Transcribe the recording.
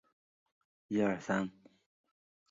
附生杜鹃为杜鹃花科杜鹃属下的一个种。